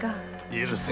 許せ。